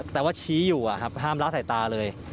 แต่ว่าชี้อยู่ห้ามละสายตาเลย